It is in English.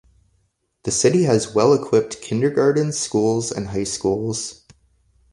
The city has well-equipped kindergartens, schools and high schools.